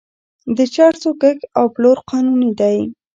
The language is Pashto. د چرسو کښت او پلور قانوني دی.